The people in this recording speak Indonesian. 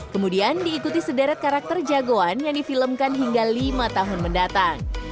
kemudian diikuti sederet karakter jagoan yang difilmkan hingga lima tahun mendatang